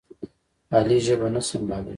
علي ژبه نه سنبالوي.